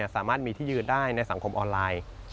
สามารถมีที่ยืนได้ในสังคมออนไลน์